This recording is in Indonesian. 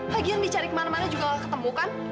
lagian dicari kemana mana juga gak ketemu kan